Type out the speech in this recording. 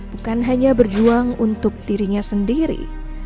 bukan hanya berjuang untuk dirinya sendiri